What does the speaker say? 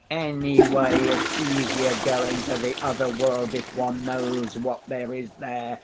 Anyway it's easier going to the other world if one knows what there is there.